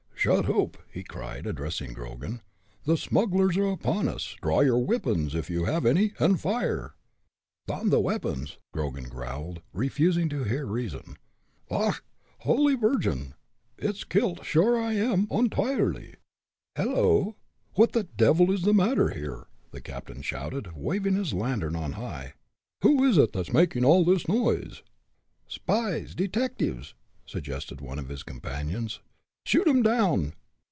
"Shut oop!" he cried, addressing Grogan. "The smugglers are upon us! Draw your wippons, if you have any, and fire!" "Dom tha wippons!" Grogan howled, refusing to hear to reason. "Och! holy Vargin! it's kilt sure I am ontirely!" "Helloo! what the devil is the matter here?" the captain shouted, waving his lantern on high. "Who is it that's making all this noise?" "Spies detectives!" suggested one of his companions. "Shoot 'em down!"